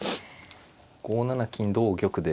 ５七金同玉で。